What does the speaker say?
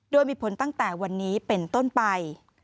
โดยมีผลตั้งแต่วันนี้เป็นต้นไป